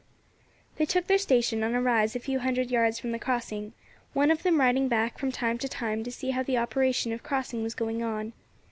They took their station on a rise a few hundred yards from the crossing, one of them riding back from time to time to see how the operation of crossing was going on.